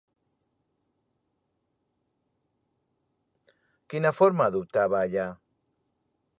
Quina forma adoptava allà?